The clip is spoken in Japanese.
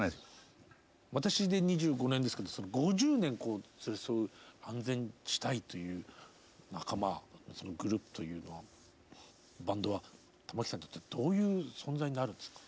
私で２５年ですけど５０年連れ添う安全地帯という仲間グループというのはバンドは玉置さんにとってどういう存在になるんですか？